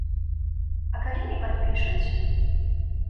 А калі не падпішуць?